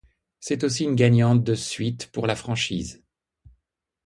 C'est aussi une gagnante de suite pour la franchise.